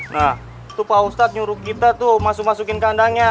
nah itu pak ustadz nyuruh kita tuh masuk masukin kandangnya